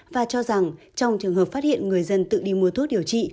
và cho rằng trong trường hợp phát hiện người dân tự đi mua thuốc điều trị